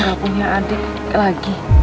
nggak punya adik lagi